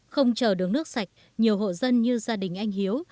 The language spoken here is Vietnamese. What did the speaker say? không chờ đứng nước sạch nhiều hộ dân như gia đình anh hiếu